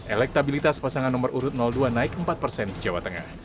elektabilitas pasangan nomor urut dua naik empat persen di jawa tengah